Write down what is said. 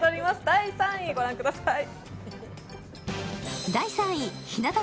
第３位ご覧ください。